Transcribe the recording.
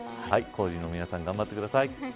工事の皆さん頑張ってください。